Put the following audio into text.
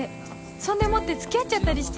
そんでもって付き合っちゃったりして